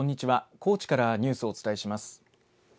高知からニュースをお伝えします。